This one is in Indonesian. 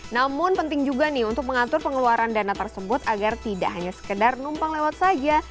namun penting juga nih untuk mengatur pengeluaran dana tersebut agar tidak hanya sekedar numpang lewat saja